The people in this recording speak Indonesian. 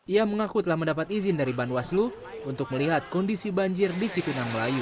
ia mengaku telah mendapat izin dari ban waslu untuk melihat kondisi banjir di cipinang melayu